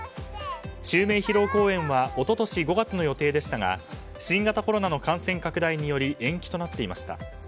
襲名披露公演は一昨年５月の予定でしたが新型コロナの感染拡大により延期となっていました。